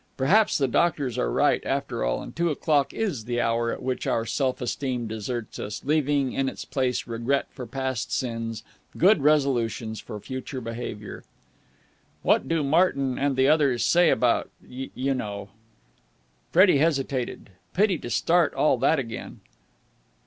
Perhaps the doctors are right after all, and two o'clock is the hour at which our self esteem deserts us, leaving in its place regret for past sins, good resolutions for future behaviour. "What do Martyn and the others say about ... you know?" Freddie hesitated. Pity to start all that again.